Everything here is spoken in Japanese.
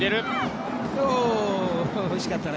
惜しかったね。